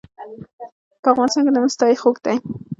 په افغانستان کې د مس تاریخ اوږد دی.